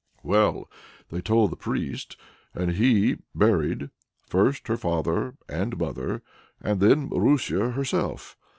Well, they told the priest, and he buried, first her father and mother, and then Marusia herself.